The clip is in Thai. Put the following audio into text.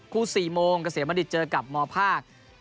คู่๔โมงเกษียมฤดิตเจอกับมภาค